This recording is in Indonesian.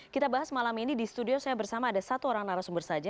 kita bahas malam ini di studio saya bersama ada satu orang narasumber saja